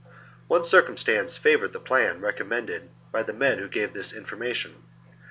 One circum stance favoured the plan recommended by the men who gave this information.